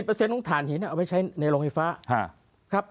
๘๐ต้องธานหินเอาไว้ใช้ในลงไฟฟ้า